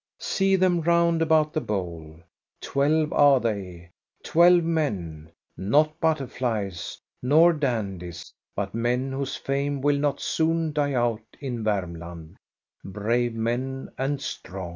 See them round about the bowl ! Twelve are they, twelve men. Not butterflies nor dandies, but men whose fame will not soon die out in Varmland ; bnU^e men and strong.